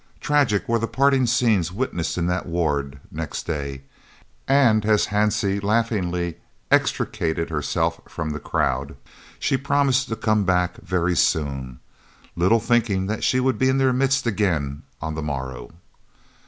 Tragic were the parting scenes witnessed in that ward next day, and, as Hansie laughingly extricated herself from the crowd, she promised to come back "very soon," little thinking that she would be in their midst again on the morrow.